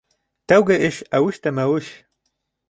Тәүге эш әүеш тә мәүеш.